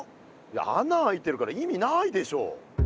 あな開いてるから意味ないでしょ。